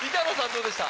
どうでした？